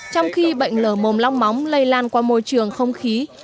trong khi bệnh lở mồm long móng lây lan qua môi trường không khí